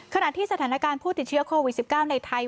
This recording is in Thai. ขณะที่สถานการณ์ผู้ติดเชื้อโควิด๑๙ในไทย